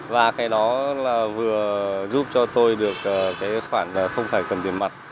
và cái đó là vừa giúp cho tôi được cái khoản không phải cầm tiền mặt